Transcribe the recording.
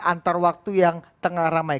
antar waktu yang tengah ramai